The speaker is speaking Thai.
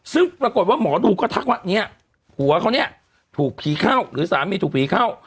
ซึ่งปรากฏว่าหมอดูก็ทักว่าเนี่ยผัวเขาเนี่ยถูกผีเข้าหรือสามีถูกผีเข้า